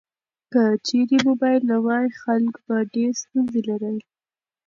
که چیرې موبایل نه وای، خلک به ډیر ستونزې لرلې.